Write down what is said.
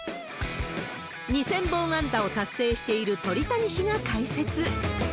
２０００本安打を達成している鳥谷氏が解説。